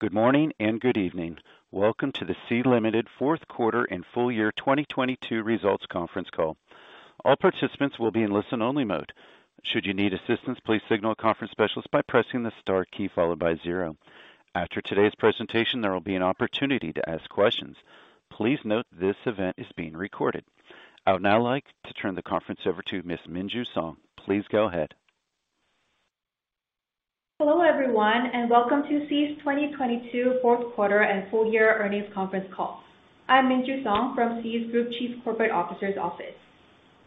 Good morning and good evening. Welcome to the Sea Limited Q4 and full year 2022 results conference call. All participants will be in listen only mode. Should you need assistance, please signal a conference specialist by pressing the star key followed by zero. After today's presentation, there will be an opportunity to ask questions. Please note this event is being recorded. I would now like to turn the conference over to Ms. Minju Song. Please go ahead. Hello everyone, welcome to Sea's 2022 Q4 and full year earnings conference call. I'm Minju Song from Sea's Group Chief Corporate Officer's office.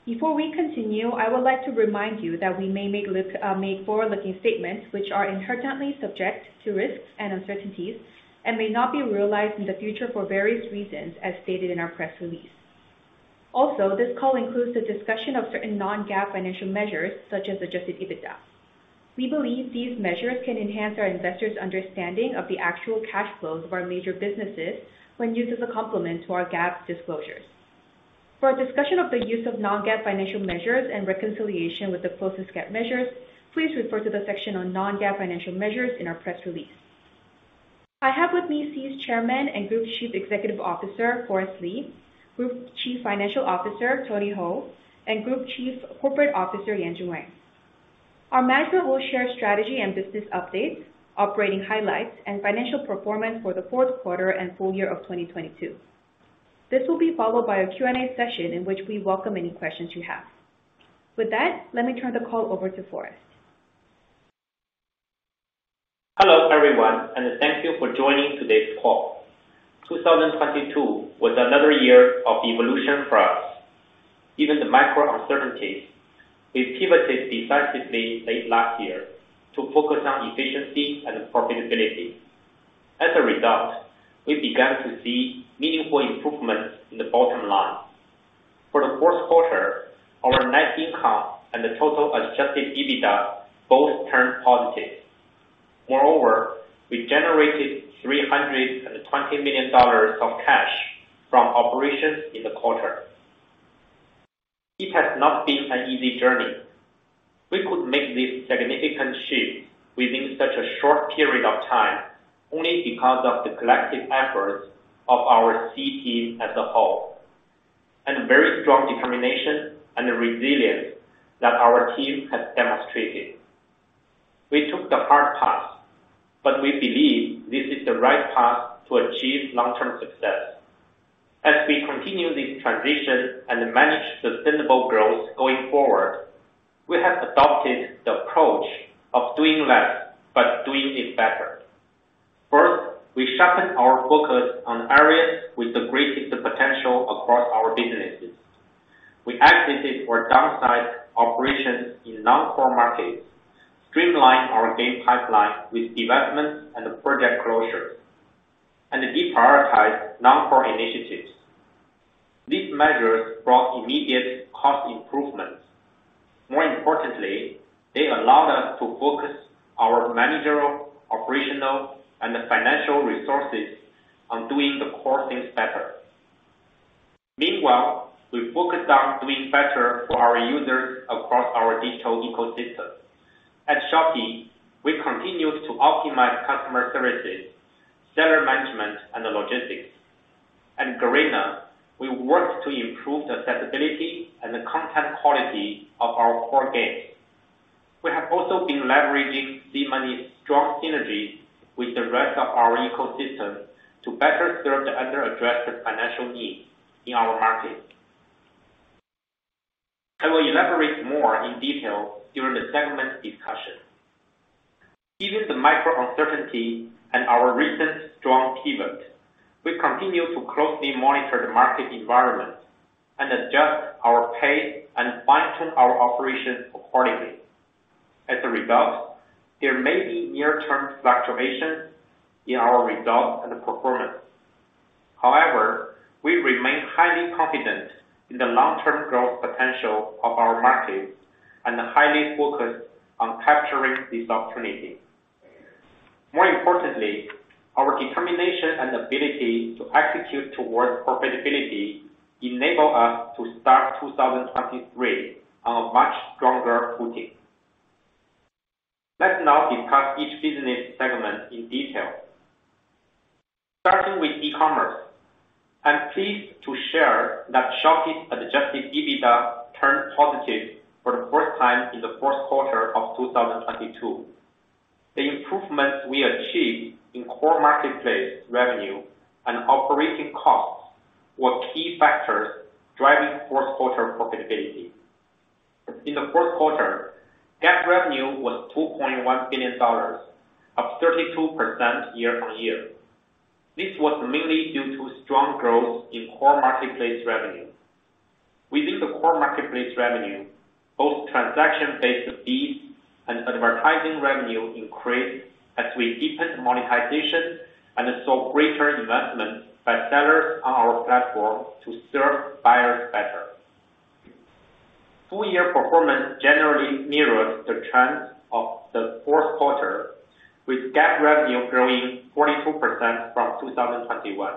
Before we continue, I would like to remind you that we may make forward-looking statements which are inherently subject to risks and uncertainties, and may not be realized in the future for various reasons, as stated in our press release. This call includes the discussion of certain non-GAAP financial measures such as adjusted EBITDA. We believe these measures can enhance our investors' understanding of the actual cash flows of our major businesses when used as a complement to our GAAP disclosures. For a discussion of the use of non-GAAP financial measures and reconciliation with the closest GAAP measures, please refer to the section on non-GAAP financial measures in our press release. I have with me Sea's Chairman and Group Chief Executive Officer, Forrest Li, Group Chief Financial Officer, Tony Hou, and Group Chief Corporate Officer, Yanjun Wang. Our manager will share strategy and business updates, operating highlights, and financial performance for the Q4 and full year of 2022. This will be followed by a Q&A session in which we welcome any questions you have. With that, let me turn the call over to Forrest. Hello everyone, thank you for joining today's call. 2022 was another year of evolution for us. Given the macro uncertainties, we pivoted decisively late last year to focus on efficiency and profitability. As a result, we began to see meaningful improvements in the bottom line. For the Q4, our net income and the total adjusted EBITDA both turned positive. Moreover, we generated $320 million of cash from operations in the quarter. It has not been an easy journey. We could make this significant shift within such a short period of time only because of the collective efforts of our Sea team as a whole, and very strong determination and resilience that our team has demonstrated. We took the hard path, but we believe this is the right path to achieve long-term success. As we continue this transition and manage sustainable growth going forward, we have adopted the approach of doing less but doing it better. First, we sharpen our focus on areas with the greatest potential across our businesses. We exited or downsized operations in non-core markets, streamline our game pipeline with divestments and project closures, and deprioritize non-core initiatives. These measures brought immediate cost improvements. More importantly, they allowed us to focus our managerial, operational, and financial resources on doing the core things better. Meanwhile, we focused on doing better for our users across our digital ecosystem. At Shopee, we continued to optimize customer services, seller management, and the logistics. At Garena, we worked to improve the accessibility and the content quality of our core games. We have also been leveraging Sea Money's strong synergies with the rest of our ecosystem to better serve the under-addressed financial needs in our market. I will elaborate more in detail during the segment discussion. Given the macro uncertainty and our recent strong pivot, we continue to closely monitor the market environment and adjust our pace and fine-tune our operations accordingly. As a result, there may be near-term fluctuations in our results and performance. However, we remain highly confident in the long-term growth potential of our markets and highly focused on capturing this opportunity. More importantly, our determination and ability to execute towards profitability enable us to start 2023 on a much stronger footing. Let's now discuss each business segment in detail. Starting with e-commerce. I'm pleased to share that Shopee's adjusted EBITDA turned positive for the first time in the Q4 of 2022. The improvements we achieved in core marketplace revenue and operating costs were key factors driving Q4 profitability. In the Q4, GAAP revenue was $2.1 billion, up 32% year-on-year. This was mainly due to strong growth in core marketplace revenue. Within the core marketplace revenue, both transaction-based fees and advertising revenue increased as we deepened monetization and saw greater investment by sellers on our platform to serve buyers better. Full year performance generally mirrors the trends of the Q4, with GAAP revenue growing 42% from 2021.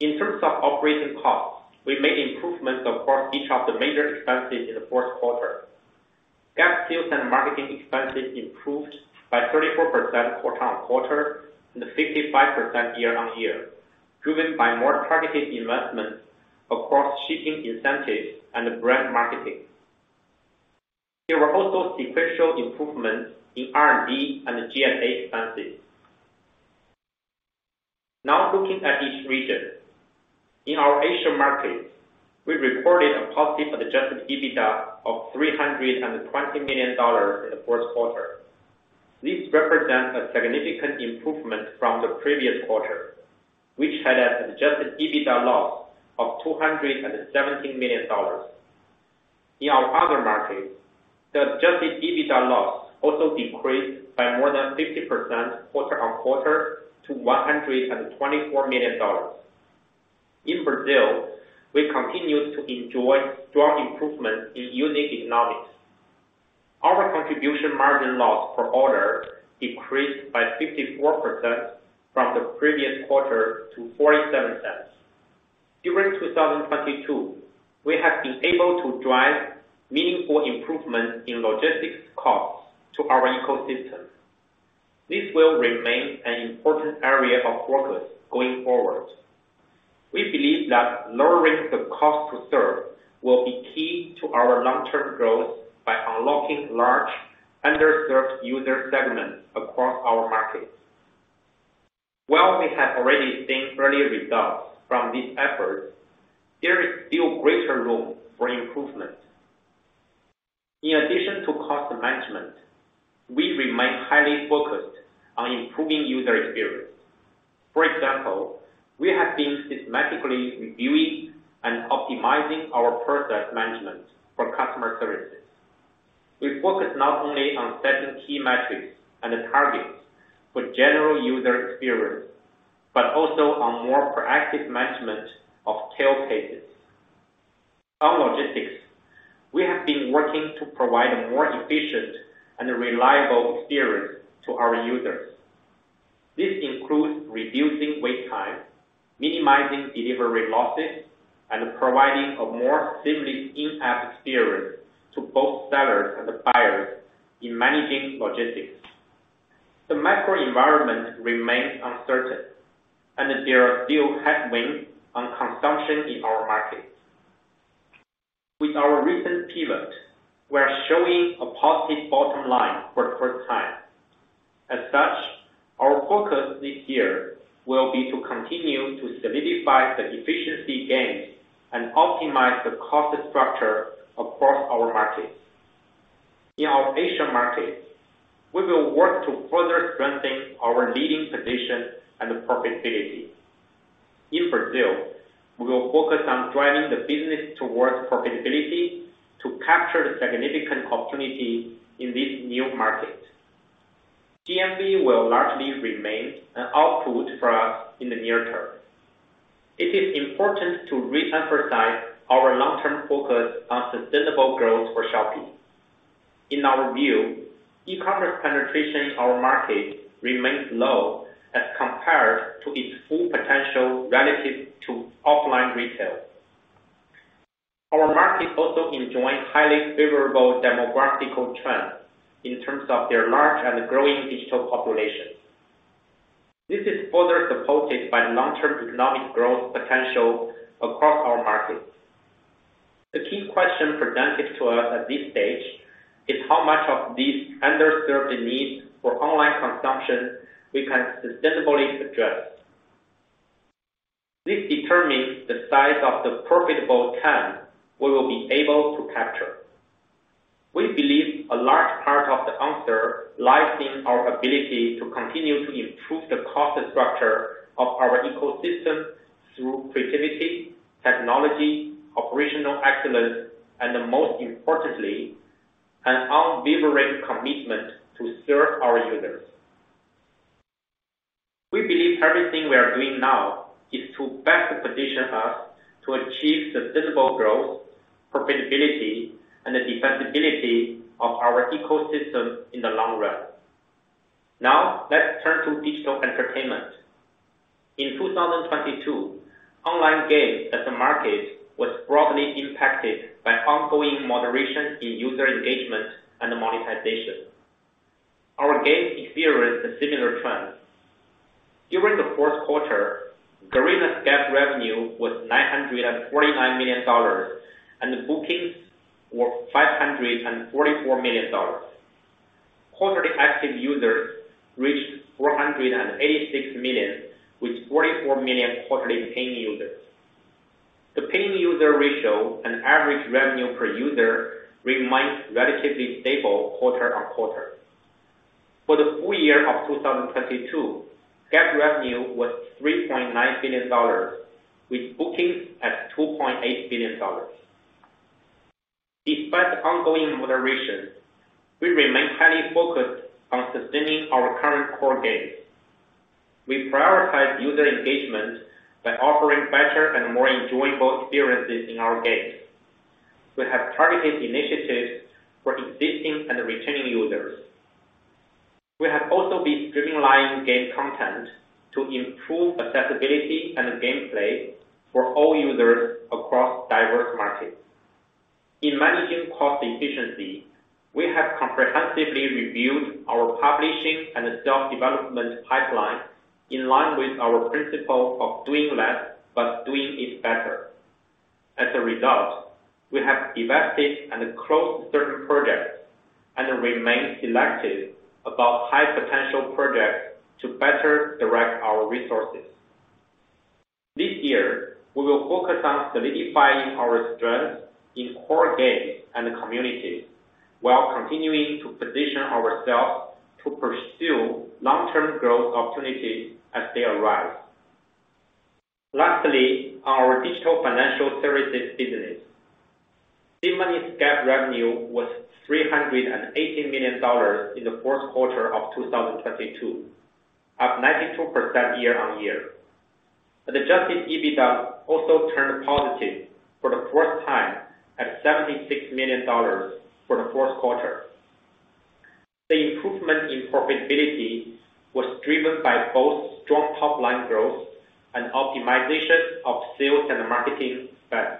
In terms of operating costs, we made improvements across each of the major expenses in the Q4. GAAP sales and marketing expenses improved by 34% quarter-on-quarter, and 55% year-on-year, driven by more targeted investments across shipping incentives and brand marketing. There were also sequential improvements in R&D and G&A expenses. Now looking at each region. In our Asia markets, we reported a positive adjusted EBITDA of $320 million in the Q4. This represents a significant improvement from the previous quarter, which had an adjusted EBITDA loss of $217 million. In our other markets, the adjusted EBITDA loss also decreased by more than 50% quarter-on-quarter to $124 million. In Brazil, we continued to enjoy strong improvement in unit economics. Our contribution margin loss per order decreased by 54% from the previous quarter to $0.47. During 2022, we have been able to drive meaningful improvements in logistics costs to our ecosystem. This will remain an important area of focus going forward. We believe that lowering the cost to serve will be key to our long-term growth by unlocking large underserved user segments across our markets. While we have already seen early results from these efforts, there is still greater room for improvement. In addition to cost management, we remain highly focused on improving user experience. For example, we have been systematically reviewing and optimizing our process management for customer services. We focus not only on setting key metrics and targets for general user experience, but also on more proactive management of tail cases. On logistics, we have been working to provide a more efficient and reliable experience to our users. This includes reducing wait time, minimizing delivery losses, and providing a more seamless in-app experience to both sellers and buyers in managing logistics. The macro environment remains uncertain, and there are still headwinds on consumption in our markets. With our recent pivot, we are showing a positive bottom line for the first time. As such, our focus this year will be to continue to solidify the efficiency gains and optimize the cost structure across our markets. In our Asia markets, we will work to further strengthen our leading position and profitability. In Brazil, we will focus on driving the business towards profitability to capture the significant opportunity in this new market. GMV will largely remain an output for us in the near term. It is important to re-emphasize our long-term focus on sustainable growth for Shopee. In our view, e-commerce penetration in our market remains low as compared to its full potential relative to offline retail. Our market also enjoys highly favorable demographical trends in terms of their large and growing digital population. This is further supported by long-term economic growth potential across our markets. The key question presented to us at this stage is how much of these underserved needs for online consumption we can sustainably address. This determines the size of the profitable TAM we will be able to capture. We believe a large part of the answer lies in our ability to continue to improve the cost structure of our ecosystem through creativity, technology, operational excellence, and most importantly, an unwavering commitment to serve our users. We believe everything we are doing now is to best position us to achieve sustainable growth, profitability, and the defensibility of our ecosystem in the long run. Now, let's turn to digital entertainment. In 2022, online games as a market was broadly impacted by ongoing moderation in user engagement and monetization. Our games experienced a similar trend. During the Q4, Garena's GAAP revenue was $949 million, and the bookings were $544 million. Quarterly active users reached 486 million, with 44 million quarterly paying users. The paying user ratio and average revenue per user remained relatively stable quarter-on-quarter. For the full year of 2022, GAAP revenue was $3.9 billion, with bookings at $2.8 billion. Despite the ongoing moderation, we remain highly focused on sustaining our current core games. We prioritize user engagement by offering better and more enjoyable experiences in our games. We have targeted initiatives for existing and retaining users. We have also been streamlining game content to improve accessibility and gameplay for all users across diverse markets. In managing cost efficiency, we have comprehensively reviewed our publishing and self-development pipeline in line with our principle of doing less, but doing it better. As a result, we have divested and closed certain projects, and remain selective about high potential projects to better direct our resources. This year, we will focus on solidifying our strength in core games and communities, while continuing to position ourselves to pursue long-term growth opportunities as they arise. Lastly, our digital financial services business. SeaMoney's GAAP revenue was $380 million in the Q4 of 2022, up 92% year-on-year. The adjusted EBITDA also turned positive for the first time at $76 million for the Q4. The improvement in profitability was driven by both strong top line growth and optimization of sales and marketing spend.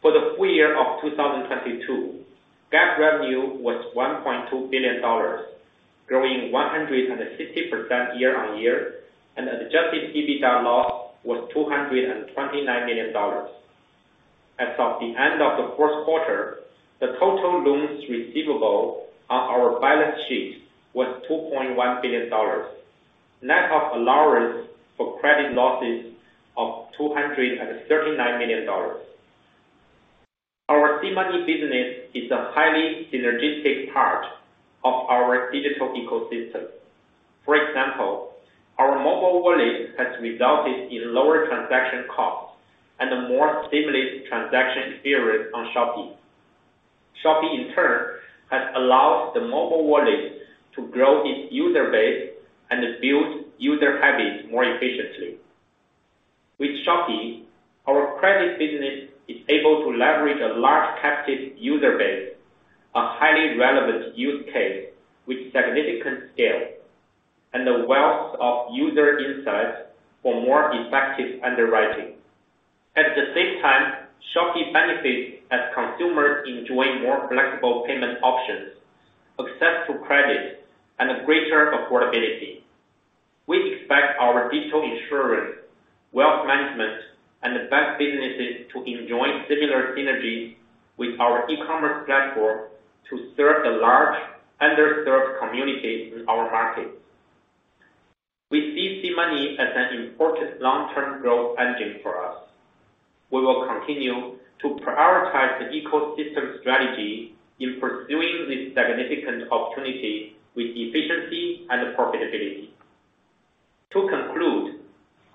For the full year of 2022, GAAP revenue was $1.2 billion, growing 160% year-on-year. Adjusted EBITDA loss was $229 million. As of the end of the Q4, the total loans receivable on our balance sheet was $2.1 billion, net of allowance for credit losses of $239 million. Our SeaMoney business is a highly synergistic part of our digital ecosystem. For example, our mobile wallet has resulted in lower transaction costs and a more seamless transaction experience on Shopee. Shopee, in turn, has allowed the mobile wallet to grow its user base and build user habits more efficiently. With Shopee, our credit business is able to leverage a large captive user base, a highly relevant use case with significant scale, and the wealth of user insights for more effective underwriting. At the same time, Shopee benefits as consumers enjoy more flexible payment options, access to credit, and greater affordability. We expect our digital insurance, wealth management, and bank businesses to enjoy similar synergies with our e-commerce platform to serve the large, underserved communities in our markets. We see SeaMoney as an important long-term growth engine for us. We will continue to prioritize the ecosystem strategy in pursuing this significant opportunity with efficiency and profitability. To conclude,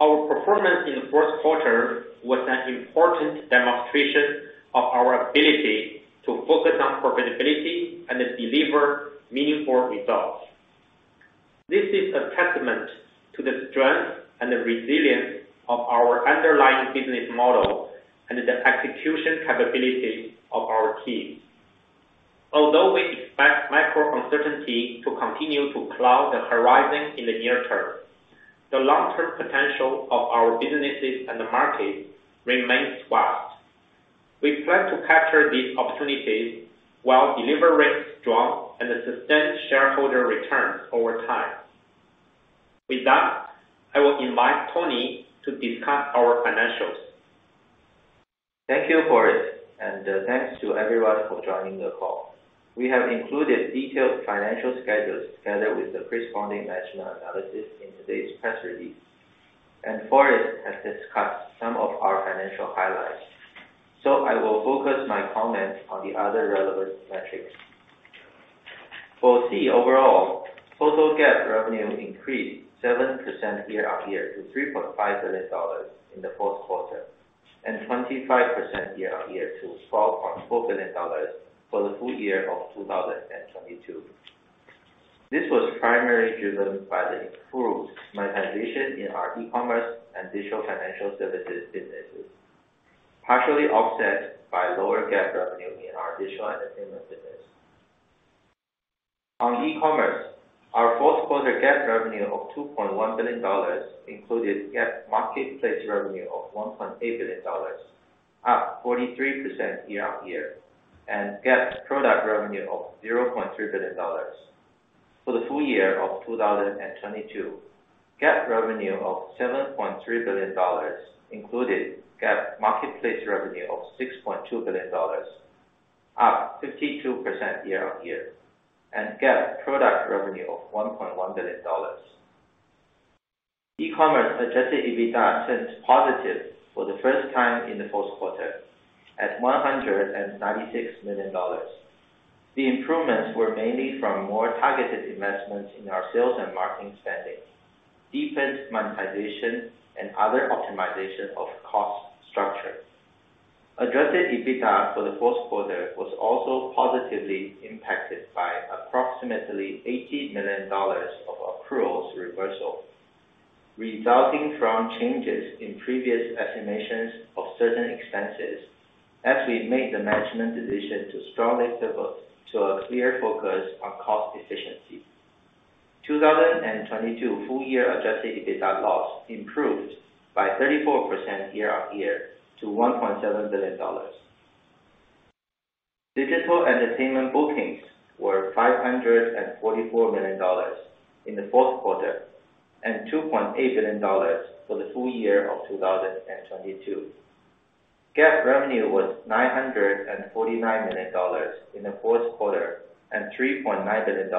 our performance in the Q4 was an important demonstration of our ability to focus on profitability and deliver meaningful results. This is a testament to the strength and the resilience of our underlying business model and the execution capabilities of our team. Although we expect macro uncertainty to continue to cloud the horizon in the near term, the long-term potential of our businesses and the market remains vast. We plan to capture these opportunities while delivering strong and sustained shareholder returns over time. With that, I will invite Tony to discuss our financials. Thank you, Forrest. Thanks to everyone for joining the call. We have included detailed financial schedules together with the corresponding measurement analysis in today's press release. Forrest has discussed some of our financial highlights, so I will focus my comments on the other relevant metrics. For Sea overall, total GAAP revenue increased 7% year-on-year to $3.5 billion in the Q4, and 25% year-on-year to $12.4 billion for the full year of 2022. This was primarily driven by the improved monetization in our e-commerce and digital financial services businesses, partially offset by lower GAAP revenue in our digital entertainment business. On e-commerce, our Q4 GAAP revenue of $2.1 billion included GAAP marketplace revenue of $1.8 billion, up 43% year-on-year, and GAAP product revenue of $0.3 billion. For the full year of 2022, GAAP revenue of $7.3 billion included GAAP marketplace revenue of $6.2 billion, up 52% year-on-year, and GAAP product revenue of $1.1 billion. E-commerce adjusted EBITDA turned positive for the first time in the Q4 at $196 million. The improvements were mainly from more targeted investments in our sales and marketing spending, defense monetization, and other optimization of cost structure. Adjusted EBITDA for the Q4 was also positively impacted by approximately $80 million of accruals reversal, resulting from changes in previous estimations of certain expenses as we made the management decision to strongly pivot to a clear focus on cost efficiency. 2022 full year adjusted EBITDA loss improved by 34% year-on-year to $1.7 billion. Digital entertainment bookings were $544 million in the Q4, and $2.8 billion for the full year of 2022. GAAP revenue was $949 million in the Q4, and $3.9 billion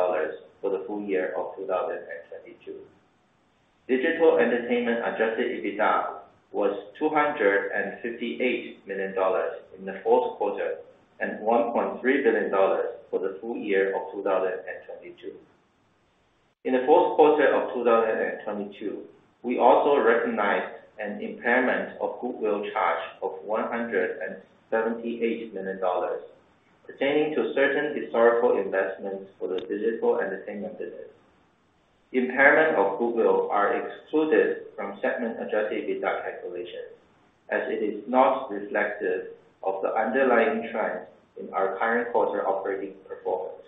for the full year of 2022. Digital entertainment adjusted EBITDA was $258 million in the Q4, and $1.3 billion for the full year of 2022. In the Q4 of 2022, we also recognized an impairment of goodwill charge of $178 million pertaining to certain historical investments for the digital entertainment business. Impairment of goodwill are excluded from segment adjusted EBITDA calculation, as it is not reflective of the underlying trends in our current quarter operating performance.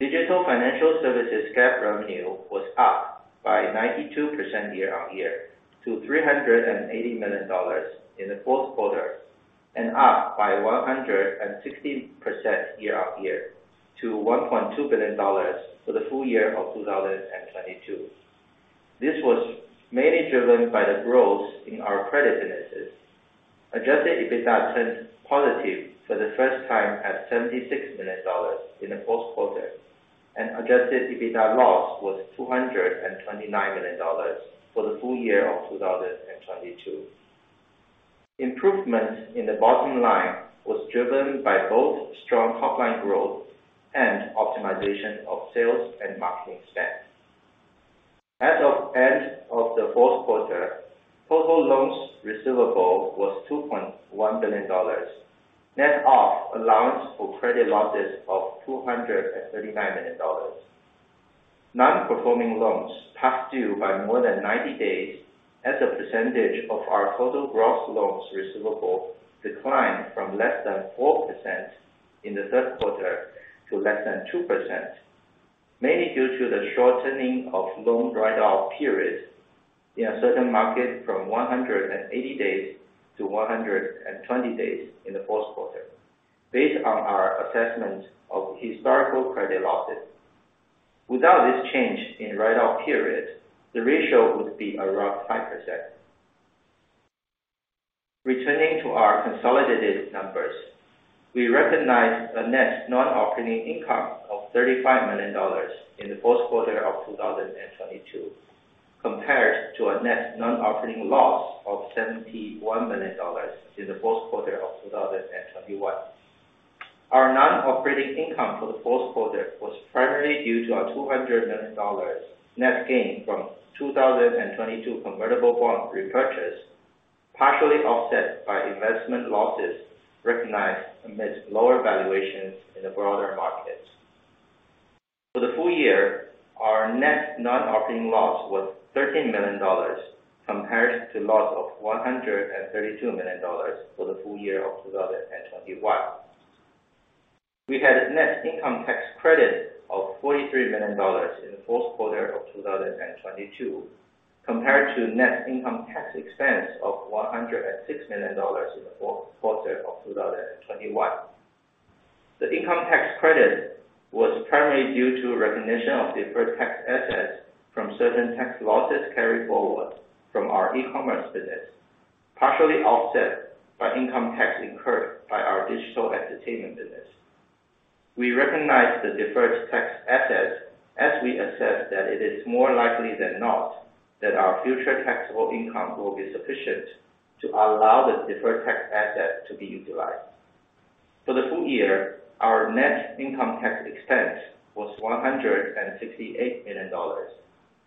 Digital financial services GAAP revenue was up by 92% year-on-year to $380 million in the Q4, and up by 160% year-on-year to $1.2 billion for the full year of 2022. This was mainly driven by the growth in our credit businesses. Adjusted EBITDA turned positive for the first time at $76 million in the Q4, and Adjusted EBITDA loss was $229 million for the full year of 2022. Improvements in the bottom line was driven by both strong top line growth and optimization of sales and marketing spend. As of end of the Q4, total loans receivable was $2.1 billion, net of allowance for credit losses of $239 million. Non-performing loans past due by more than 90 days as a percentage of our total gross loans receivable declined from less than 4% in the Q3 to less than 2%, mainly due to the shortening of loan write off periods in a certain market from 180 days to 120 days in the Q4, based on our assessment of historical credit losses. Without this change in write off periods, the ratio would be around 5%. Returning to our consolidated numbers, we recognized a net non-operating income of $35 million in the Q4 of 2022, compared to a net non-operating loss of $71 million in the Q4 of 2021. Our non-operating income for the Q4 was primarily due to our $200 million net gain from 2022 convertible bond repurchase, partially offset by investment losses recognized amidst lower valuations in the broader markets. For the full year, our net non-operating loss was $13 million, compared to loss of $132 million for the full year of 2021. We had net income tax credit of $43 million in the Q4 of 2022, compared to net income tax expense of $106 million in the Q4 of 2021. The income tax credit was primarily due to recognition of deferred tax assets from certain tax losses carried forward from our e-commerce business, partially offset by income tax incurred by our digital entertainment business. We recognize the deferred tax asset as we assess that it is more likely than not that our future taxable income will be sufficient to allow the deferred tax asset to be utilized. For the full year, our net income tax expense was $168 million,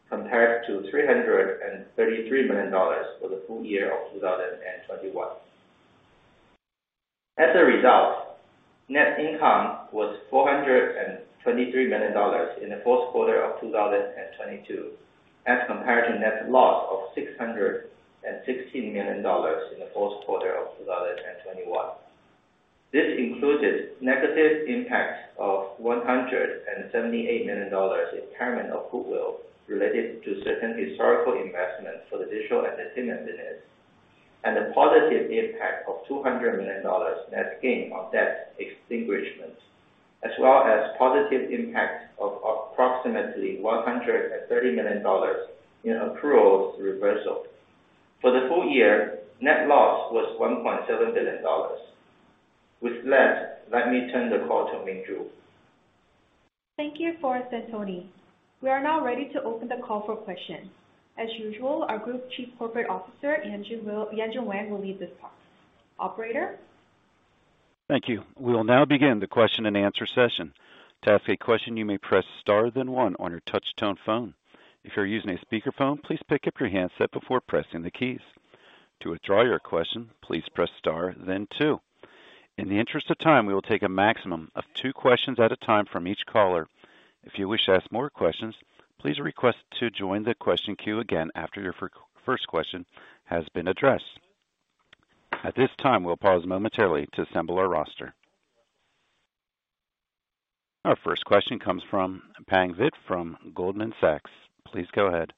compared to $333 million for the full year of 2021. As a result, net income was $423 million in the Q4 of 2022 as compared to net loss of $660 million in the Q4 of 2021. This included negative impact of $178 million impairment of goodwill related to certain historical investments for the digital entertainment business, a positive impact of $200 million net gain on debt extinguishment, as well as positive impact of approximately $130 million in accruals reversal. For the full year, net loss was $1.7 billion. With that, let me turn the call to Minju Song. Thank you, Forrest and Tony. We are now ready to open the call for questions. As usual, our Group Chief Corporate Officer, Yanjun Wang will lead this part. Operator? Thank you. We will now begin the question-and-answer session. To ask a question, you may press star then one on your touch tone phone. If you're using a speakerphone, please pick up your handset before pressing the keys. To withdraw your question, please press star then two. In the interest of time, we will take a maximum of two questions at a time from each caller. If you wish to ask more questions, please request to join the question queue again after your first question has been addressed. At this time, we'll pause momentarily to assemble our roster. Our first question comes from Pang Vittayaamnuaykoon from Goldman Sachs. Please go ahead.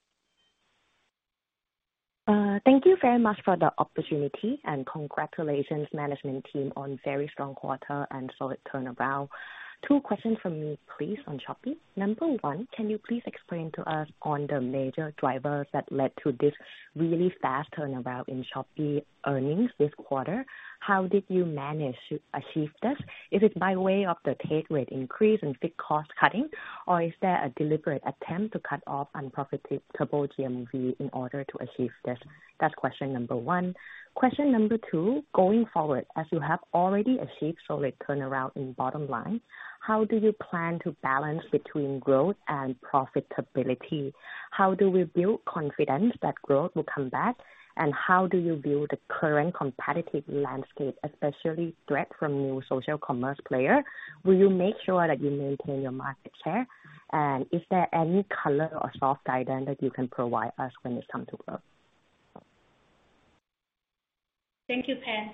Thank you very much for the opportunity, congratulations management team on very strong quarter and solid turnaround. Two questions from me, please, on Shopee. Number one, can you please explain to us on the major drivers that led to this really fast turnaround in Shopee earnings this quarter? How did you manage to achieve this? Is it by way of the take rate increase and strict cost cutting, or is there a deliberate attempt to cut off unprofitable GMV in order to achieve this? That's question number one. Question number two, going forward, as you have already achieved solid turnaround in bottom line, how do you plan to balance between growth and profitability? How do we build confidence that growth will come back? How do you view the current competitive landscape, especially threat from new social commerce player? Will you make sure that you maintain your market share? Is there any color or soft guidance that you can provide us when it comes to growth? Thank you, Pang.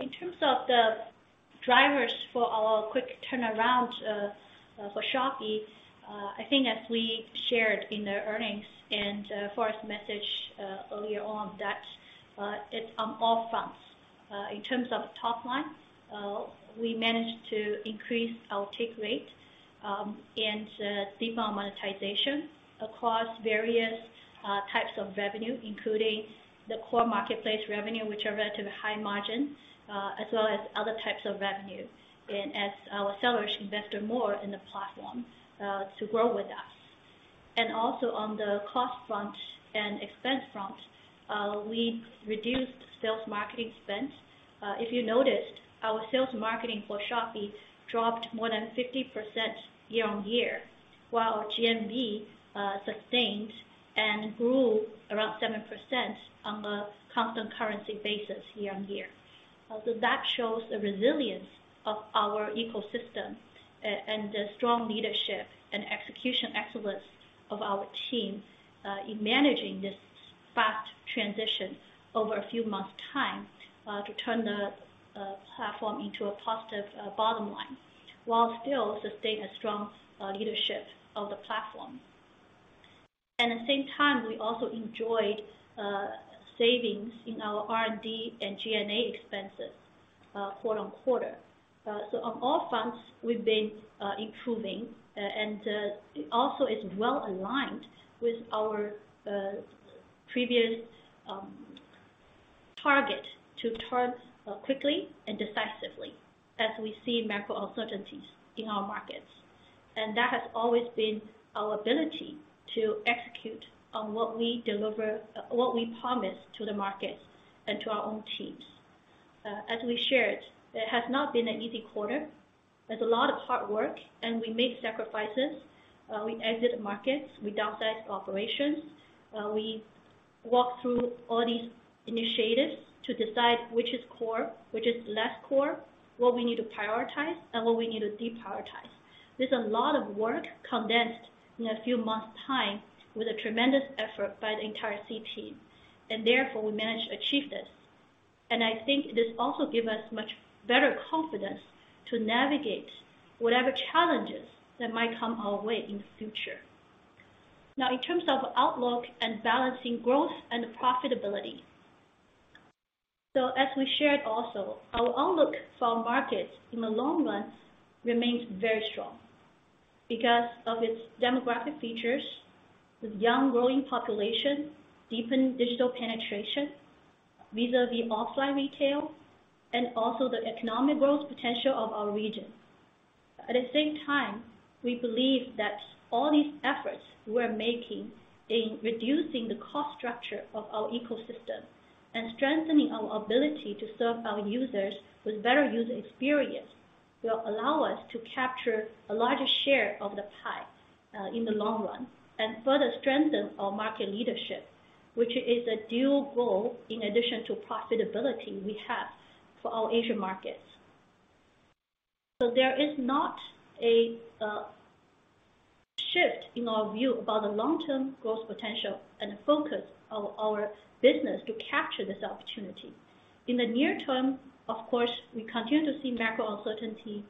In terms of the drivers for our quick turnaround for Shopee, I think as we shared in the earnings and Forrest message earlier on that, it's on all fronts. In terms of top line, we managed to increase our take rate and deep our monetization across various types of revenue, including the core marketplace revenue, which are relatively high margin, as well as other types of revenue. As our sellers invest more in the platform, to grow with us. Also on the cost front and expense front, we reduced sales marketing spend. If you noticed, our sales marketing for Shopee dropped more than 50% year-on-year, while GMV sustained and grew around 7% on a constant currency basis year-on-year. That shows the resilience of our ecosystem and the strong leadership and execution excellence of our team in managing this fast transition over a few months time to turn the platform into a positive bottom line, while still sustain a strong leadership of the platform. At the same time, we also enjoyed savings in our R&D and G&A expenses quarter-on-quarter. On all fronts, we've been improving and also it's well aligned with our previous target to turn quickly and decisively as we see macro uncertainties in our markets. That has always been our ability to execute on what we deliver, what we promise to the markets and to our own teams. As we shared, it has not been an easy quarter. There's a lot of hard work, and we made sacrifices. We exit markets, we downsize operations, we walk through all these initiatives to decide which is core, which is less core, what we need to prioritize, and what we need to deprioritize. There's a lot of work condensed in a few months time with a tremendous effort by the entire Sea team, therefore we managed to achieve this. I think this also give us much better confidence to navigate whatever challenges that might come our way in the future. In terms of outlook and balancing growth and profitability. As we shared also, our outlook for our markets in the long run remains very strong because of its demographic features with young growing population, deepened digital penetration, vis-à-vis offline retail, and also the economic growth potential of our region. At the same time, we believe that all these efforts we're making in reducing the cost structure of our ecosystem and strengthening our ability to serve our users with better user experience, will allow us to capture a larger share of the pie in the long run, and further strengthen our market leadership, which is a dual goal in addition to profitability we have for our Asia markets. There is not a shift in our view about the long-term growth potential and focus of our business to capture this opportunity. In the near term, of course, we continue to see macro uncertainty,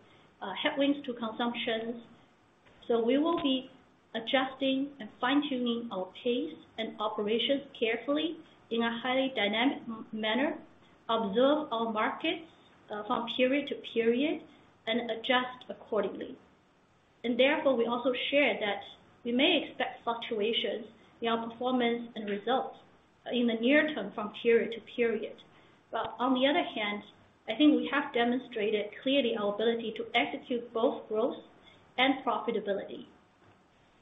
headwinds to consumptions. We will be adjusting and fine-tuning our pace and operations carefully in a highly dynamic manner, observe our markets from period to period and adjust accordingly. Therefore, we also share that we may expect fluctuations in our performance and results in the near term from period to period. On the other hand, I think we have demonstrated clearly our ability to execute both growth and profitability.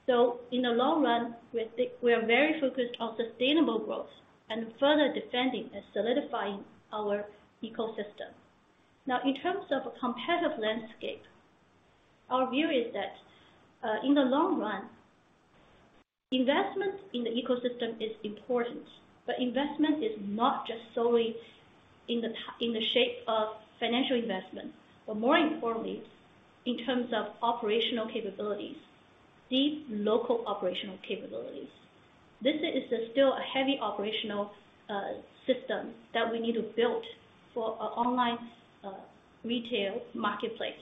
In the long run, we are very focused on sustainable growth and further defending and solidifying our ecosystem. In terms of competitive landscape, our view is that, in the long run-Investment in the ecosystem is important, but investment is not just solely in the shape of financial investment, but more importantly, in terms of operational capabilities, the local operational capabilities. This is still a heavy operational system that we need to build for our online retail marketplace.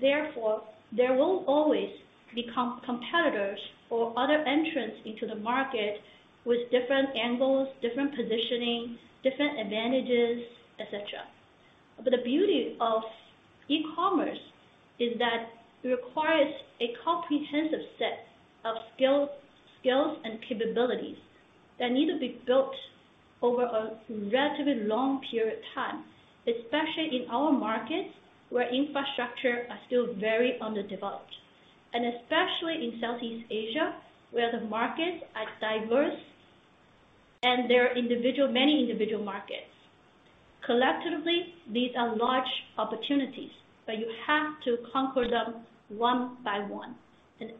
There will always be competitors or other entrants into the market with different angles, different positioning, different advantages, et cetera. The beauty of e-commerce is that it requires a comprehensive set of skills and capabilities that need to be built over a relatively long period of time, especially in our markets where infrastructure are still very underdeveloped. Especially in Southeast Asia, where the markets are diverse and there are many individual markets. Collectively, these are large opportunities, but you have to conquer them one by one.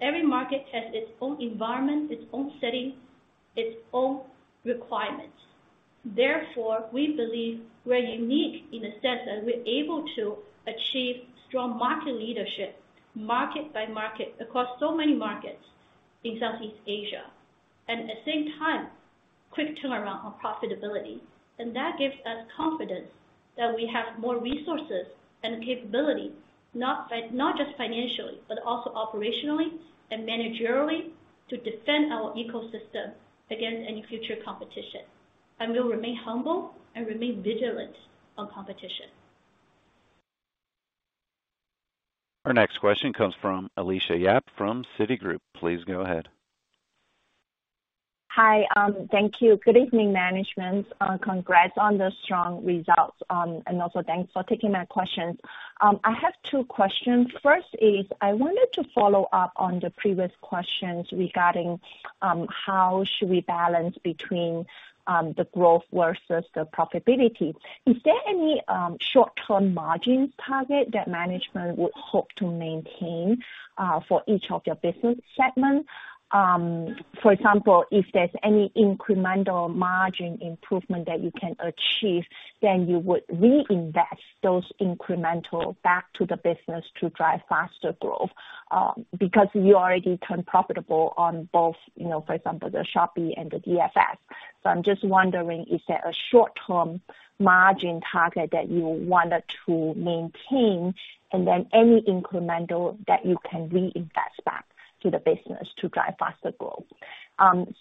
Every market has its own environment, its own setting, its own requirements. Therefore, we believe we're unique in the sense that we're able to achieve strong market leadership market by market across so many markets in Southeast Asia, and at the same time, quick turnaround on profitability. That gives us confidence that we have more resources and capability, not just financially, but also operationally and managerially to defend our ecosystem against any future competition. We'll remain humble and remain vigilant on competition. Our next question comes from Alicia Yap from Citigroup. Please go ahead. Hi. Thank you. Good evening, management. Congrats on the strong results. Also thanks for taking my questions. I have two questions. First is I wanted to follow up on the previous questions regarding how should we balance between the growth versus the profitability. Is there any short-term margin target that management would hope to maintain for each of your business segments? For example, if there's any incremental margin improvement that you can achieve, then you would reinvest those incremental back to the business to drive faster growth, because you already turned profitable on both, you know, for example, the Shopee and the DFS. I'm just wondering, is there a short-term margin target that you wanted to maintain and then any incremental that you can reinvest back to the business to drive faster growth?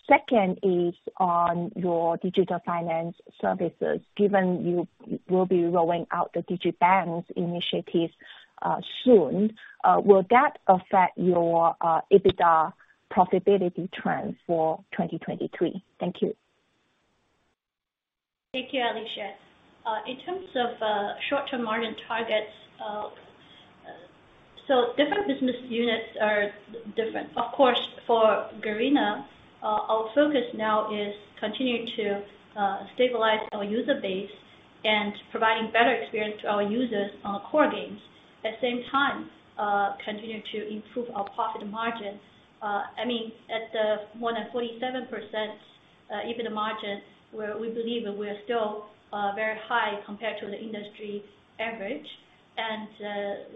second is on your digital finance services. Given you will be rolling out the digibank initiatives, soon, will that affect your EBITDA profitability trends for 2023? Thank you. Thank you, Alicia. In terms of short-term margin targets, so different business units are different. Of course, for Garena, our focus now is continuing to stabilize our user base and providing better experience to our users on our core games. At the same time, continue to improve our profit margin. I mean, at more than 47% EBITDA margin, where we believe we are still very high compared to the industry average.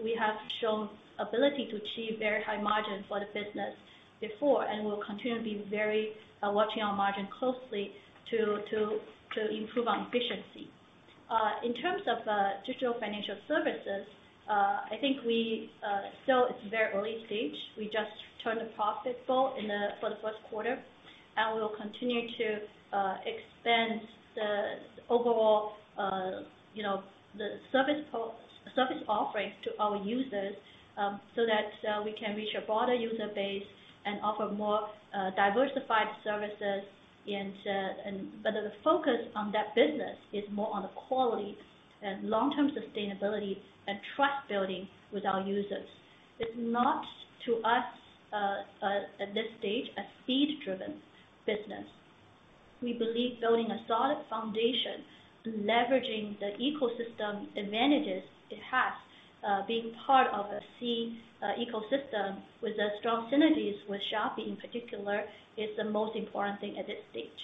We have shown ability to achieve very high margin for the business before, and we'll continue to be very watching our margin closely to improve on efficiency. In terms of digital financial services, I think still it's very early stage. We just turned a profit for the Q1, and we'll continue to expand the overall, you know, the service offerings to our users, so that we can reach a broader user base and offer more diversified services. But the focus on that business is more on the quality and long-term sustainability and trust building with our users. It's not to us at this stage, a speed-driven business. We believe building a solid foundation, leveraging the ecosystem advantages it has, being part of a Sea ecosystem with the strong synergies with Shopee in particular, is the most important thing at this stage.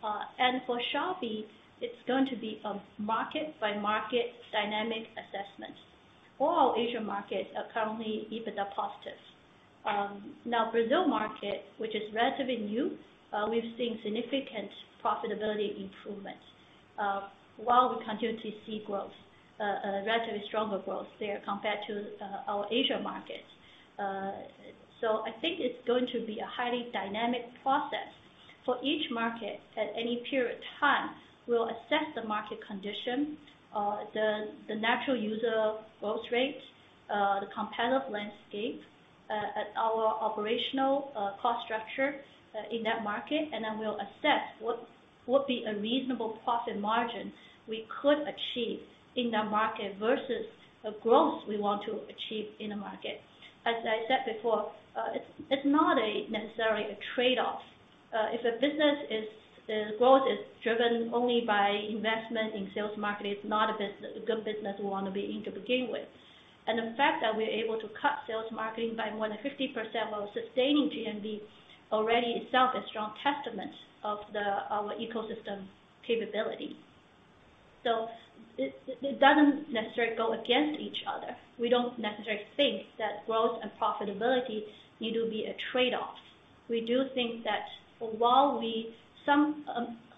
For Shopee, it's going to be a market-by-market dynamic assessment. All our Asia markets are currently EBITDA positive. Now, Brazil market, which is relatively new, we've seen significant profitability improvements, while we continue to see growth, relatively stronger growth there compared to our Asia markets. I think it's going to be a highly dynamic process. For each market at any period of time, we'll assess the market condition, the natural user growth rates, the competitive landscape, our operational cost structure in that market. We'll assess what would be a reasonable profit margin we could achieve in that market versus the growth we want to achieve in the market. As I said before, it's not a necessarily a trade-off. If a business is growth is driven only by investment in sales marketing, it's not a good business we wanna be in to begin with. The fact that we're able to cut sales marketing by more than 50% while sustaining GMV already itself is strong testament of our ecosystem capability. It doesn't necessarily go against each other. We don't necessarily think that growth and profitability need to be a trade-off. We do think that while we.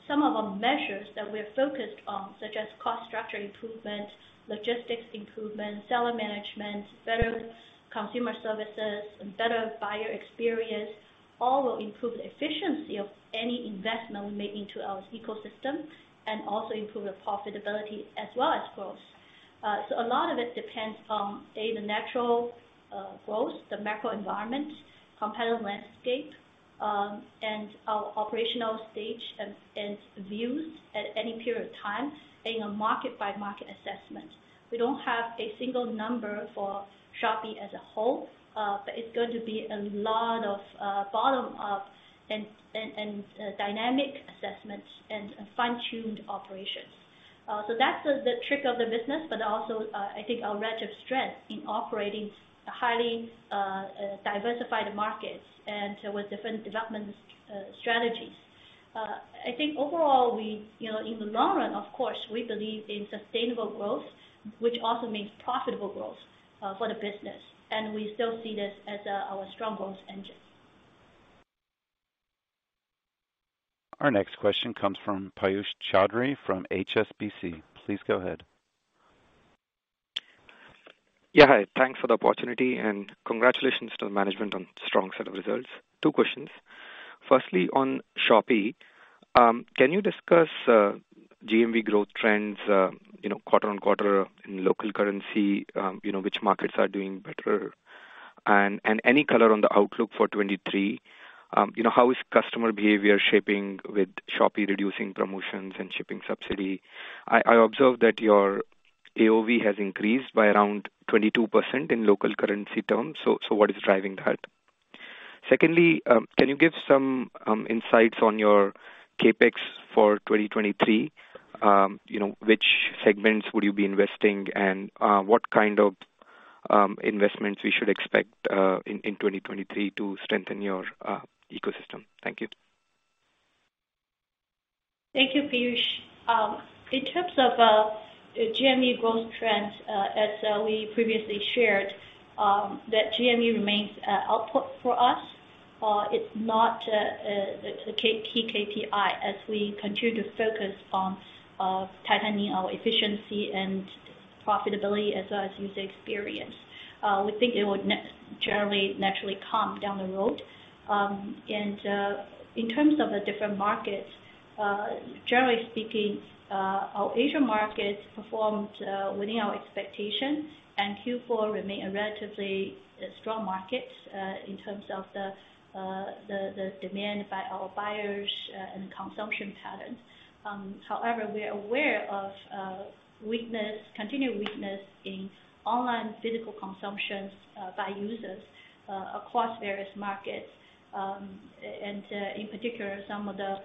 Some of our measures that we are focused on, such as cost structure improvement, logistics improvement, seller management, better consumer services and better buyer experience, all will improve the efficiency of any investment we make into our ecosystem and also improve the profitability as well as growth. A lot of it depends on, A, the natural growth, the macro environment, competitive landscape, and our operational stage and views at any period of time in a market-by-market assessment. We don't have a single number for Shopee as a whole, but it's going to be a lot of bottom up and dynamic assessments and fine-tuned operations. That's the trick of the business, but also, I think our wedge of strength in operating highly diversified markets and so with different development strategies. I think overall we, you know, in the long run, of course, we believe in sustainable growth, which also means profitable growth for the business, and we still see this as our strong growth engine. Our next question comes from Piyush Choudhary from HSBC. Please go ahead. Yeah. Hi. Thanks for the opportunity, and congratulations to the management on strong set of results. Two questions. Firstly, on Shopee, can you discuss GMV growth trends, you know, quarter-on-quarter in local currency, you know, which markets are doing better? Any color on the outlook for 2023. You know, how is customer behavior shaping with Shopee reducing promotions and shipping subsidy? I observed that your AOV has increased by around 22% in local currency terms, so what is driving that? Secondly, can you give some insights on your CapEx for 2023? You know, which segments would you be investing and, what kind of investments we should expect in 2023 to strengthen your ecosystem? Thank you. Thank you, Piyush. In terms of GMV growth trends, as we previously shared, that GMV remains output for us. It's not the key KPI as we continue to focus on tightening our efficiency and profitability as well as user experience. We think it would generally naturally come down the road. In terms of the different markets, generally speaking, our Asia markets performed within our expectations, and Q4 remain a relatively strong market in terms of the demand by our buyers and consumption patterns. However, we are aware of weakness, continued weakness in online physical consumptions by users across various markets. And in particular, some of the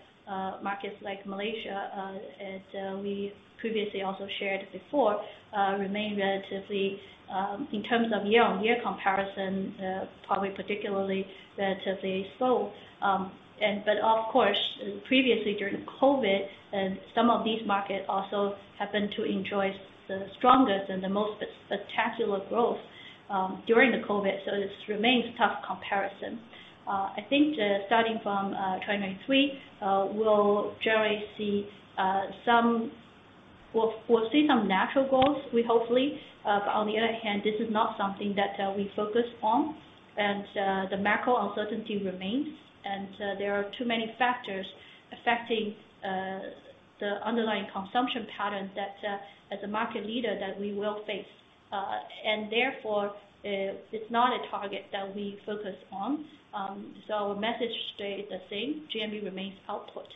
markets like Malaysia, as we previously also shared before, remain relatively in terms of year-on-year comparison, probably particularly relatively slow. But of course, previously during COVID, some of these markets also happened to enjoy the strongest and the most spectacular growth during the COVID, so this remains tough comparison. I think, starting from 2023, we'll generally see some natural growth, we hopefully. But on the other hand, this is not something that we focus on. The macro uncertainty remains, there are too many factors affecting the underlying consumption pattern that as a market leader that we will face. Therefore, it's not a target that we focus on. Our message stay the same. GMV remains output.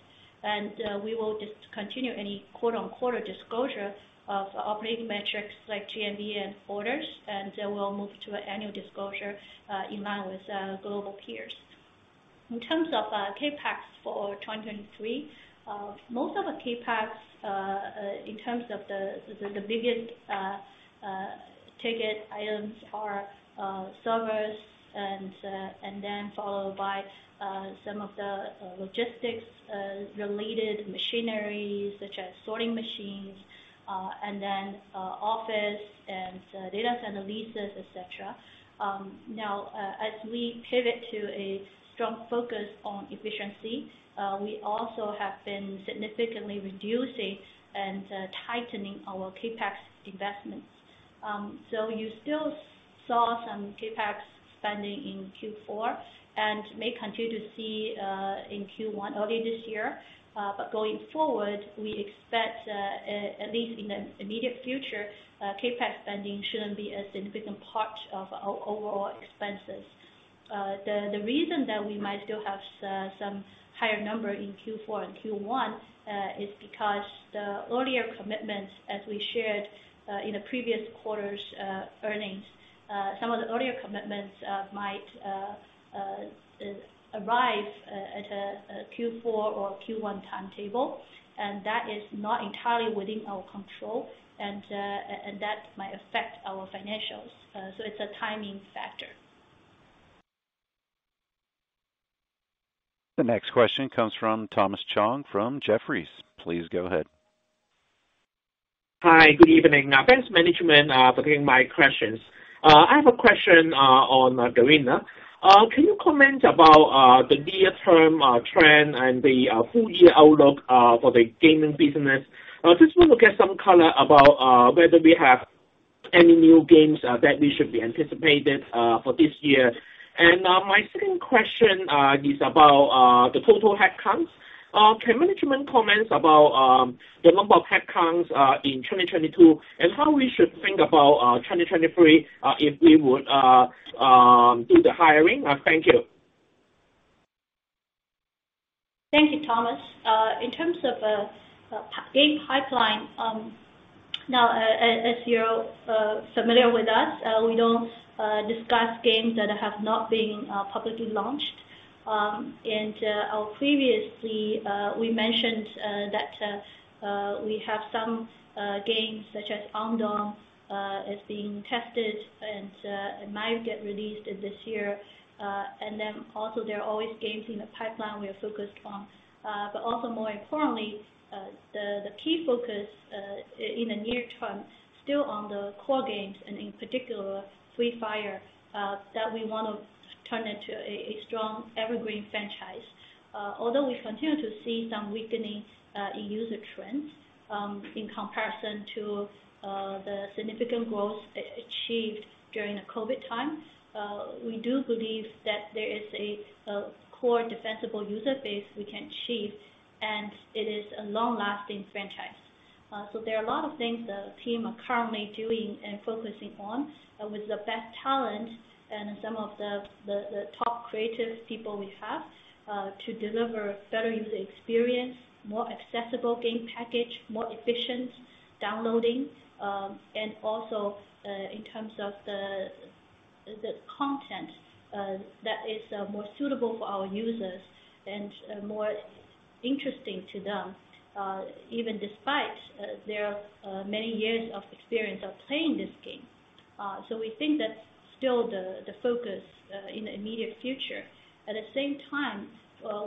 We will discontinue any quote-on-quote disclosure of operating metrics like GMV and orders, and we'll move to annual disclosure in line with global peers. In terms of CapEx for 2023, most of the CapEx in terms of the biggest ticket items are servers and then followed by some of the logistics related machinery such as sorting machines, and then office and data center leases, et cetera. As we pivot to a strong focus on efficiency, we also have been significantly reducing and tightening our CapEx investments. You still saw some CapEx spending in Q4 and may continue to see in Q1 early this year. Going forward, we expect at least in the immediate future, CapEx spending shouldn't be a significant part of our overall expenses. The reason that we might still have some higher number in Q4 and Q1 is because the earlier commitments, as we shared in the previous quarter's earnings, some of the earlier commitments might arrive at a Q4 or Q1 timetable, and that is not entirely within our control, and that might affect our financials. It's a timing factor. The next question comes from Thomas Chong from Jefferies. Please go ahead. Hi, good evening. Thanks management for taking my questions. I have a question on Garena. Can you comment about the near-term trend and the full year outlook for the gaming business? Just want to get some color about whether we have any new games that we should be anticipated for this year. My second question is about the total headcounts. Can management comment about the number of headcounts in 2022, and how we should think about 2023, if we would do the hiring? Thank you. Thank you, Thomas. In terms of game pipeline, now as you're familiar with us, we don't discuss games that have not been publicly launched. Previously, we mentioned that we have some games such as Undawn is being tested and it might get released this year. Also, there are always games in the pipeline we are focused on. Also, more importantly, the key focus in the near term still on the core games, and in particular Free Fire, that we wanna turn into a strong evergreen franchise. Although we continue to see some weakening in user trends, in comparison to the significant growth achieved during the COVID time, we do believe that there is a core defensible user base we can achieve, and it is a long-lasting franchise. There are a lot of things the team are currently doing and focusing on with the best talent and some of the top creative people we have to deliver better user experience, more accessible game package, more efficient downloading, and also in terms of the content that is more suitable for our users and more interesting to them, even despite their many years of experience of playing this game. We think that's still the focus in the immediate future. At the same time,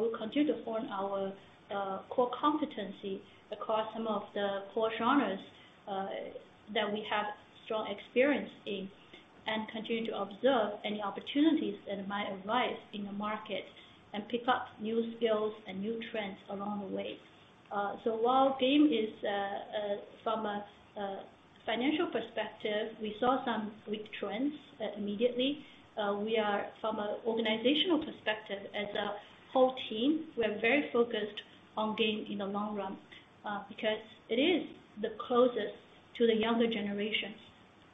we continue to form our core competency across some of the core genres that we have strong experience in, and continue to observe any opportunities that might arise in the market and pick up new skills and new trends along the way. While game is from a financial perspective, we saw some weak trends immediately. We are from an organizational perspective as a whole team, we are very focused on game in the long run, because it is the closest to the younger generation,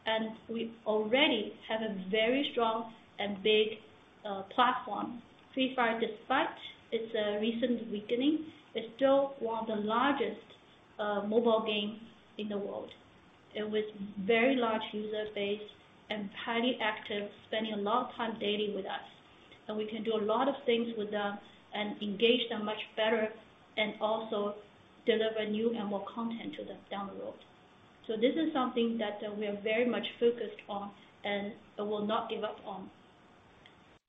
and we already have a very strong and big platform. Free Fire, despite its recent weakening, is still one of the largest mobile games in the world and with very large user base and highly active, spending a lot of time daily with us. We can do a lot of things with them and engage them much better and also deliver new and more content to them down the road. This is something that we are very much focused on and will not give up on.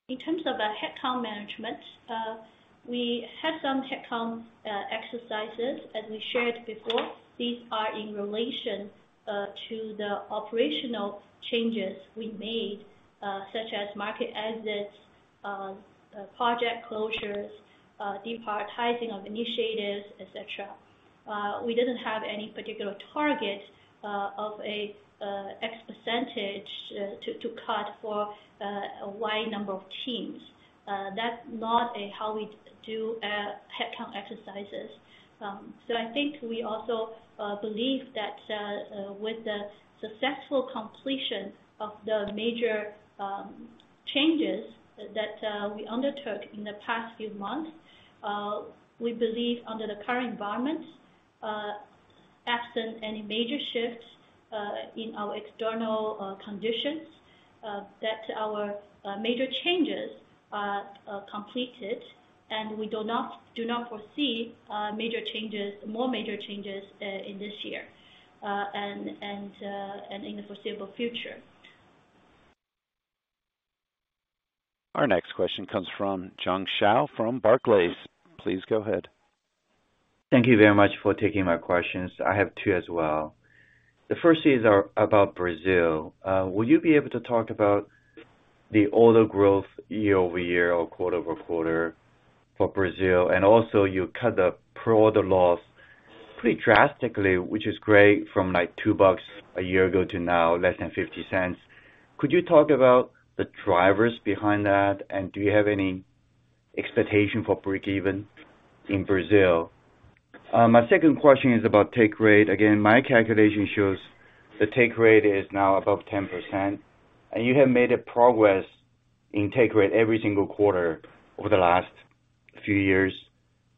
In terms of a headcount management, we had some headcount exercises as we shared before. These are in relation to the operational changes we made, such as market exits, project closures, deprioritizing of initiatives, et cetera. We didn't have any particular target of a X% to cut for a Y number of teams. That's not how we do headcount exercises. I think we also believe that with the successful completion of the major changes that we undertook in the past few months, we believe under the current environment, absent any major shifts in our external conditions, that our major changes are completed and we do not foresee major changes, more major changes, in this year, and in the foreseeable future. Our next question comes from Jiong Shao from Barclays. Please go ahead. Thank you very much for taking my questions. I have two as well. The first is about Brazil. Will you be able to talk about the order growth year-over-year or quarter-over-quarter for Brazil? Also, you cut the pre-order loss pretty drastically, which is great, from like $2 a year ago to now less than $0.50. Could you talk about the drivers behind that? Do you have any expectation for breakeven in Brazil? My second question is about take rate. Again, my calculation shows the take rate is now above 10%, and you have made a progress in take rate every single quarter over the last few years.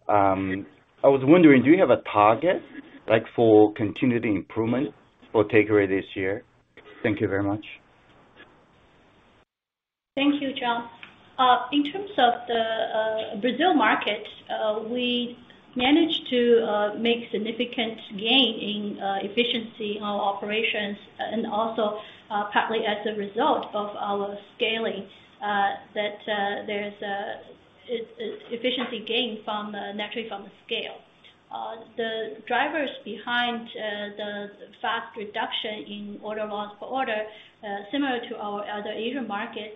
I was wondering, do you have a target, like, for continued improvement for take rate this year? Thank you very much. Thank you, John. In terms of the Brazil market, we managed to make significant gain in efficiency on operations, and also, partly as a result of our scaling, that there is a, it's efficiency gain from naturally from the scale. The drivers behind the fast reduction in order loss per order, similar to our other Asian markets,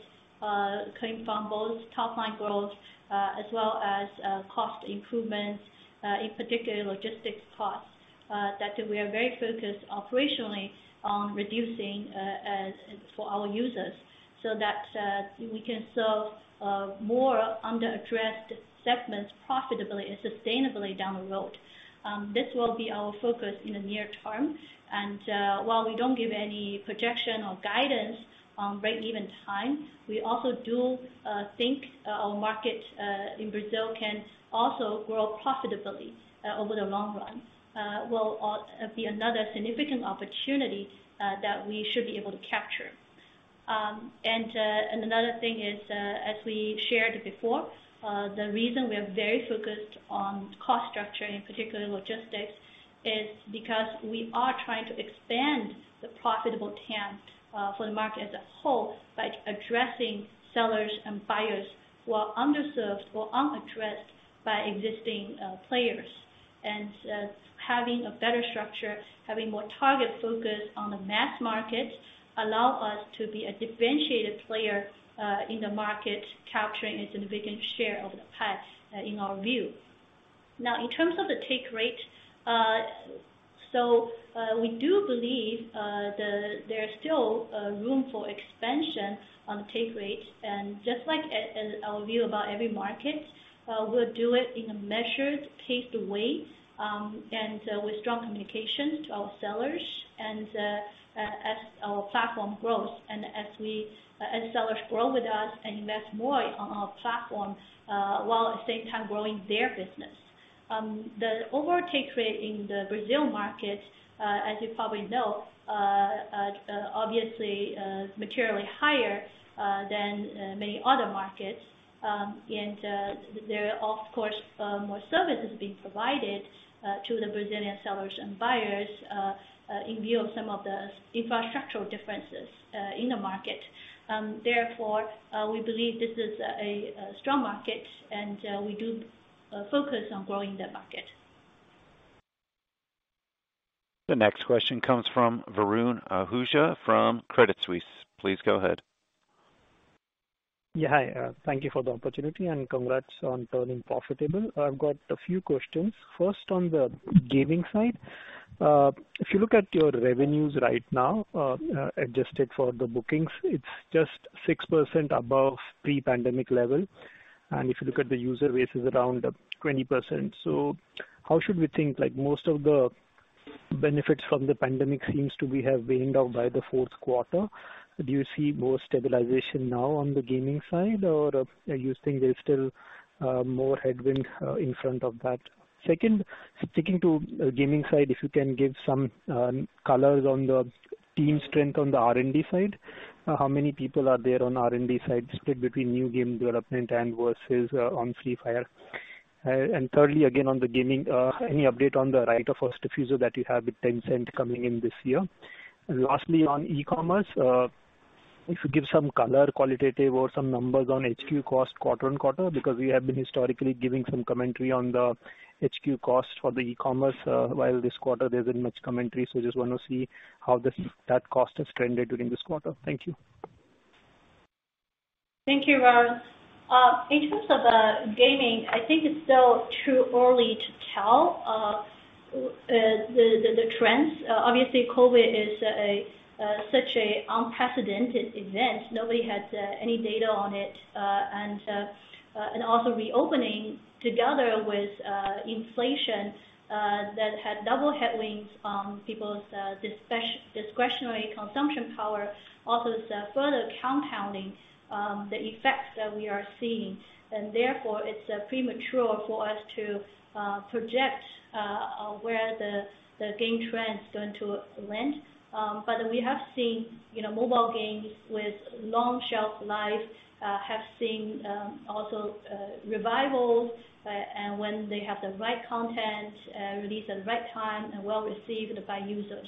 coming from both top-line growth, as well as cost improvements, in particular logistics costs, that we are very focused operationally on reducing, as for our users so that we can serve more under-addressed segments profitably and sustainably down the road. This will be our focus in the near term, while we don't give any projection or guidance on breakeven time, we also do think our market in Brazil can also grow profitably over the long run. Will be another significant opportunity that we should be able to capture. Another thing is, as we shared before, the reason we are very focused on cost structure, in particular logistics, is because we are trying to expand the profitable TAM for the market as a whole by addressing sellers and buyers who are underserved or unaddressed by existing players. Having a better structure, having more target focus on the mass market, allow us to be a differentiated player in the market, capturing a significant share of the pie in our view. Now, in terms of the take rate, we do believe there is still room for expansion on the take rate. Just like as our view about every market, we'll do it in a measured, paced way, and with strong communication to our sellers and as our platform grows and as we as sellers grow with us and invest more on our platform while at the same time growing their business. The overall take rate in the Brazil market, as you probably know, obviously, is materially higher than many other markets. There are of course, more services being provided to the Brazilian sellers and buyers in view of some of the infrastructural differences in the market. Therefore, we believe this is a strong market, and we do focus on growing that market. The next question comes from Varun Ahuja from Credit Suisse. Please go ahead. Yeah. Hi, thank you for the opportunity. Congrats on turning profitable. I've got a few questions. First, on the gaming side, if you look at your revenues right now, adjusted for the bookings, it's just 6% above pre-pandemic level. If you look at the user base, it's around 20%. How should we think? Like, most of the benefits from the pandemic seems to be have waned off by the Q4. Do you see more stabilization now on the gaming side, or you think there's still more headwind in front of that? Second, sticking to gaming side, if you can give some colors on the team strength on the R&D side. How many people are there on R&D side split between new game development and versus on Free Fire? Thirdly, again, on the gaming, any update on the right of first refusal that you have with Tencent coming in this year? Lastly, on eCommerce, if you give some color qualitative or some numbers on HQ cost quarter and quarter, because we have been historically giving some commentary on the HQ cost for the eCommerce, while this quarter there isn't much commentary. Just wanna see how that cost has trended during this quarter. Thank you. Thank you, Varun. In terms of gaming, I think it's still too early to tell the trends. Obviously, COVID is a such a unprecedented event. Nobody has any data on it. Also, reopening together with inflation that had double headwinds on people's discretionary consumption power also is further compounding the effects that we are seeing. Therefore, it's premature for us to project where the game trend is going to land. We have seen, you know, mobile games with long shelf life have seen also revivals, and when they have the right content released at the right time and well received by users.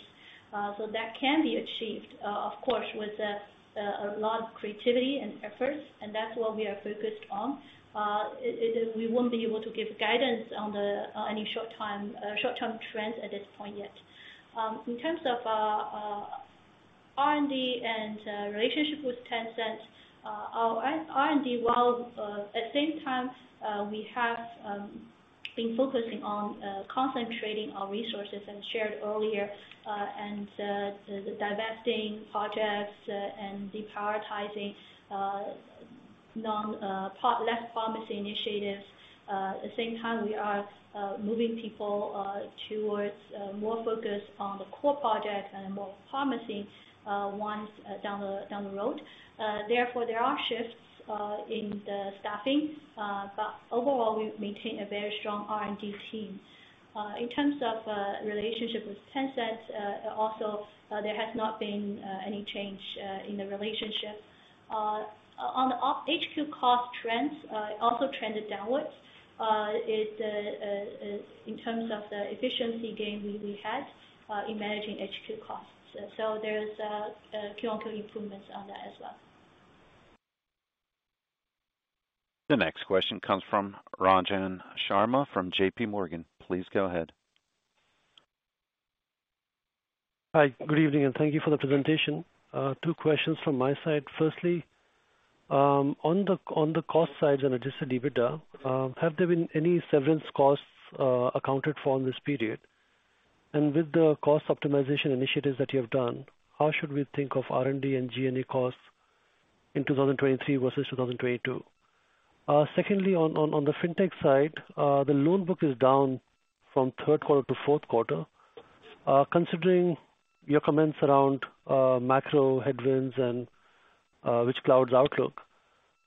That can be achieved, of course, with a lot of creativity and efforts, and that's what we are focused on. We won't be able to give guidance on the any short time, short-term trends at this point yet. In terms of R&D and relationship with Tencent, our R&D, while at the same time, we have been focusing on concentrating our resources and shared earlier, and the divesting projects and deprioritizing less promising initiatives. At the same time, we are moving people towards more focus on the core projects and the more promising ones down the road. Therefore, there are shifts in the staffing. Overall, we maintain a very strong R&D team. In terms of relationship with Tencent, also, there has not been any change in the relationship. On the HQ cost trends, it also trended downwards. It, in terms of the efficiency gain we had in managing HQ costs. There is Q on Q improvements on that as well. The next question comes from Ranjan Sharma from J.P. Morgan. Please go ahead. Hi, good evening, and thank you for the presentation. Two questions from my side. Firstly, on the cost side and adjusted EBITDA, have there been any severance costs accounted for in this period? With the cost optimization initiatives that you have done, how should we think of R&D and G&A costs in 2023 versus 2022? Secondly, on the fintech side, the loan book is down from Q3 to Q4. Considering your comments around macro headwinds and which clouds outlook,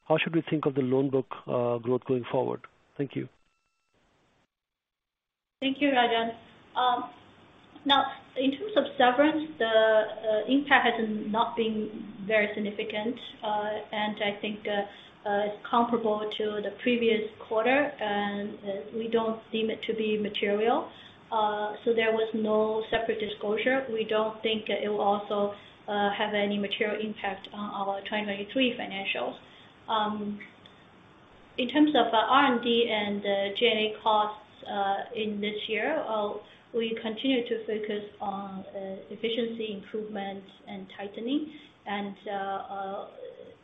how should we think of the loan book growth going forward? Thank you. Thank you, Ranjan. Now, in terms of severance, the impact has not been very significant. I think comparable to the previous quarter, we don't deem it to be material. There was no separate disclosure. We don't think it will also have any material impact on our 2023 financials. In terms of R&D and G&A costs, in this year, we continue to focus on efficiency improvements and tightening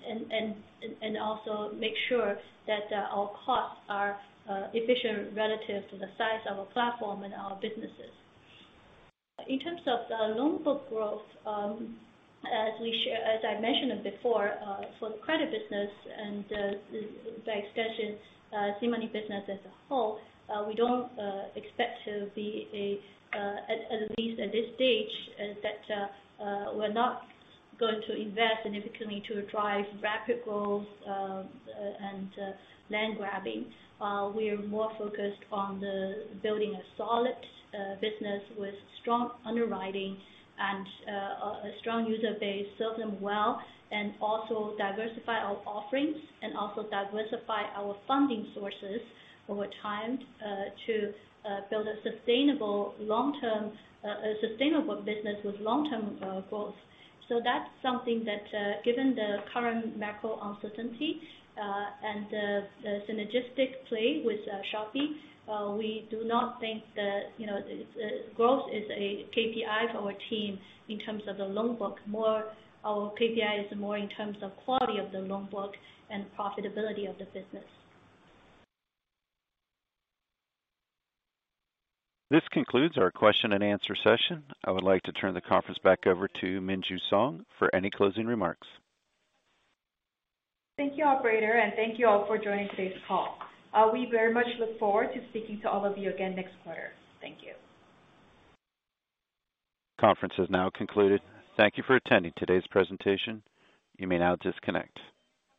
and also make sure that our costs are efficient relative to the size of our platform and our businesses. In terms of the loan book growth, as I mentioned before, for the credit business and by extension, SeaMoney business as a whole, we don't expect to be a... At least at this stage, that we're not going to invest significantly to drive rapid growth, and land grabbing. We are more focused on the building a solid business with strong underwriting and a strong user base, serve them well, and also diversify our offerings and also diversify our funding sources over time, to build a sustainable long-term sustainable business with long-term growth. That's something that, given the current macro uncertainty, and the synergistic play with Shopee, we do not think that, you know, growth is a KPI for our team in terms of the loan book. Our KPI is more in terms of quality of the loan book and profitability of the business. This concludes our question and answer session. I would like to turn the conference back over to Minju Song for any closing remarks. Thank you, operator. Thank you all for joining today's call. We very much look forward to speaking to all of you again next quarter. Thank you. Conference is now concluded. Thank you for attending today's presentation. You may now disconnect.